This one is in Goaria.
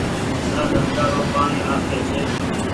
نآ نلڪآ رو پآڻيٚ آستي ڇي ۔